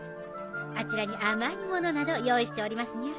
あちらに甘いものなど用意しておりますにゃ。